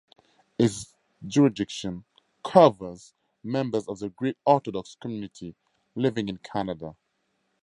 Its jurisdiction covers members of the Greek Orthodox community living in Canada.